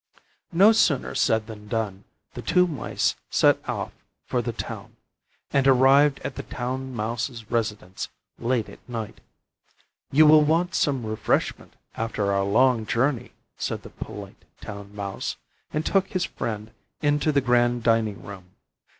No sooner said than done: the two mice set off for the town and arrived at the Town Mouse's residence late at night. "You will want some refreshment after our long journey," said the polite Town Mouse, and took his friend into the grand dining room.